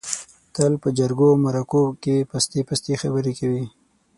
تل په جرگو او مرکو کې پستې پستې خبرې کوي.